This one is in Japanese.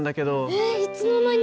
えっいつの間に？